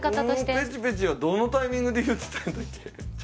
「んぺちぺちー！」はどのタイミングで言ってたんだっけ